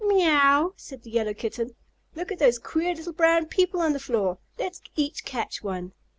"Meouw!" said the Yellow Kitten. "Look at those queer little brown people on the floor. Let's each catch one."